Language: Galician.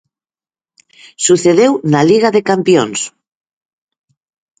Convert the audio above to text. Sucedeu na Liga de campións.